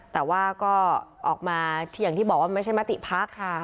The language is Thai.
แต่ว่าก็ออกมาอย่างที่บอกว่าไม่ใช่มติพักค่ะ